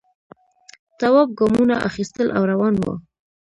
تواب گامونه اخیستل او روان و.